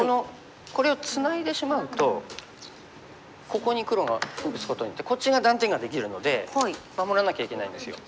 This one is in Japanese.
これをツナいでしまうとここに黒が打つことによってこっちが断点ができるので守らなきゃいけないんですよ。